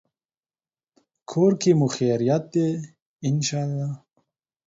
کور کې مو خیریت دی، ان شاءالله